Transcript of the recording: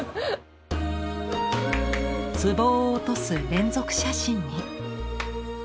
壷を落とす連続写真に。